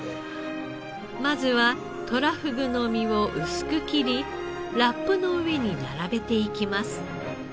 まずはとらふぐの身を薄く切りラップの上に並べていきます。